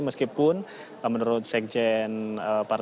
meskipun menurut sekjen p tiga